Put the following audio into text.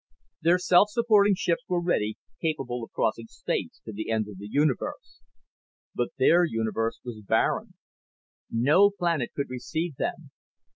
Their self supporting ships were ready, capable of crossing space to the ends of the universe. But their universe was barren. No planet could receive them.